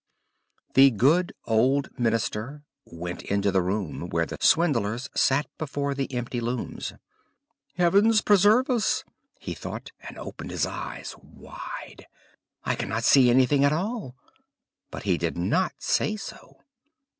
The good old minister went into the room where the swindlers sat before the empty looms. "Heaven preserve us!" he thought, and opened his eyes wide, "I cannot see anything at all," but he did not say so.